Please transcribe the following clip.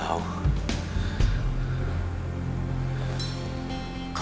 kau enggak tahu keturunan kau